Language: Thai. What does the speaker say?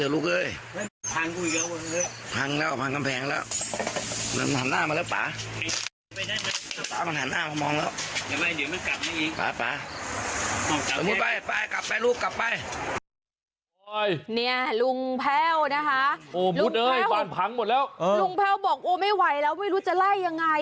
ลุงแฮวบอกโอ้ไม่ไหวแล้วไม่รู้จะไล่ยังไง